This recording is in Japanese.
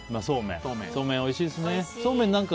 そうめん、おいしいですね。